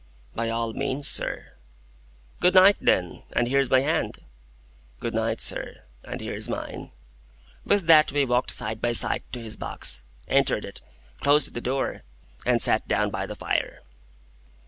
"By all means, sir." "Good night, then, and here's my hand." "Good night, sir, and here's mine." With that we walked side by side to his box, entered it, closed the door, and sat down by the fire.